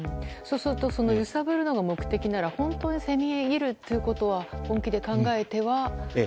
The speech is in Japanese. そうすると揺さぶるのが目的なら本当に攻め入るということは本気で考えては。